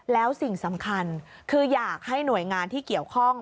แล้วสิ่งสำคัญคืออยากให้หน่วยงานที่เกี่ยวข้อง